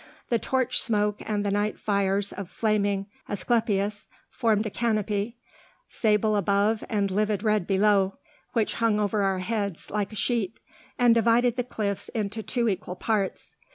The torch smoke and the night fires of flaming asclepias formed a canopy, sable above and livid red below, which hung over our heads like a sheet, and divided the cliffs into two equal parts.